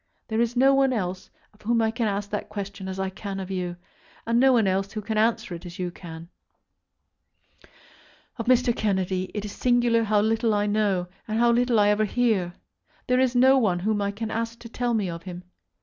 There is no one else of whom I can ask that question as I can of you, and no one else who can answer it as you can do. Of Mr. Kennedy it is singular how little I know, and how little I ever hear. There is no one whom I can ask to tell me of him.